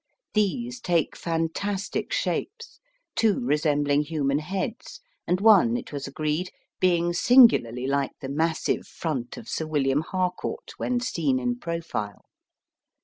These take fantastic shapes, two resembling human heads, and one, it was agreed, being singularly like the massive front of Sir William Harcourt when seen in profile.